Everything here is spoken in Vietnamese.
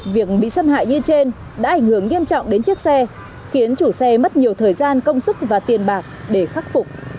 việc bị xâm hại như trên đã ảnh hưởng nghiêm trọng đến chiếc xe khiến chủ xe mất nhiều thời gian công sức và tiền bạc để khắc phục